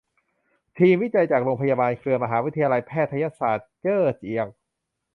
ทีมวิจัยจากโรงพยาบาลเครือมหาวิทยาลัยแพทยศาสตร์เจ้อเจียง